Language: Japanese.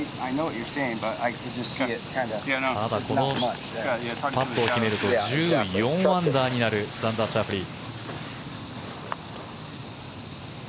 ただ、このパットを決めると１４アンダーになるザンダー・シャフリー。